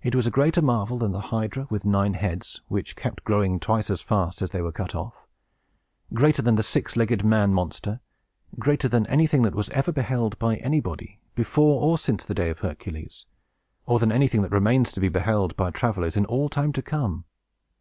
It was a greater marvel than the hydra with nine heads, which kept growing twice as fast as they were cut off; greater than the six legged man monster; greater than Antæus; greater than anything that was ever beheld by anybody, before or since the days of Hercules, or than anything that remains to be beheld, by travelers in all time to come.